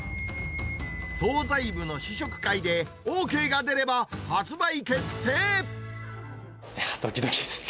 総菜部の試食会でＯＫが出れば、どきどきです。